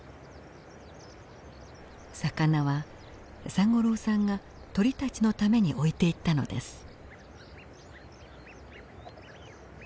魚は三五郎さんが鳥たちのために置いていったのです。